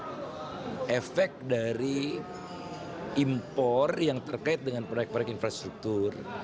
ada efek dari impor yang terkait dengan proyek proyek infrastruktur